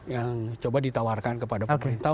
yang coba ditawarkan kepada pemerintah